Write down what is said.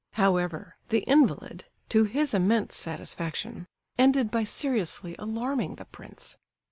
However, the invalid—to his immense satisfaction—ended by seriously alarming the prince.